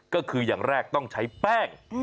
ก็คืออย่างแรกต้องใช้แป้ง